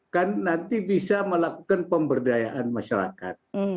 kan nanti bisa melakukan pemberdayaan masyarakat